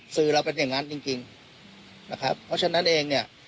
สื่อเราเป็นอย่างนั้นจริงจริงนะครับเพราะฉะนั้นเองเนี่ย